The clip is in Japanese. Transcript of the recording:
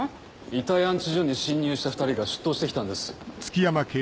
遺体安置所に侵入した２人が出頭して来たんです。